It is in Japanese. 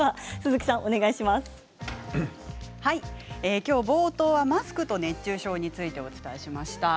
きょう冒頭はマスクと熱中症についてお伝えしました。